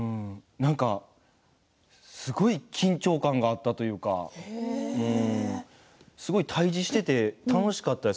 なんか、すごい緊張感があったというかすごい対じしていて楽しかったです。